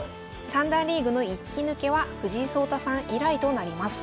三段リーグの１期抜けは藤井聡太さん以来となります。